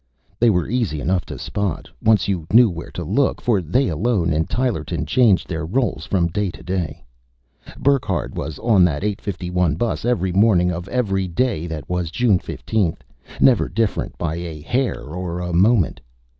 They were easy enough to spot, once you knew where to look for they, alone in Tylerton, changed their roles from day to day. Burckhardt was on that 8:51 bus, every morning of every day that was June 15th, never different by a hair or a moment.